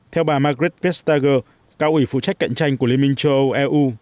theo bà margaret vestager cao ủy phụ trách cạnh tranh của liên minh châu âu eu